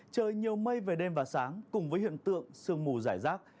trời nhiều mây về đêm và sáng cùng với hiện tượng sương mù giải rác